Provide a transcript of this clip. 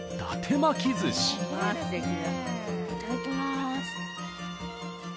れるいただきます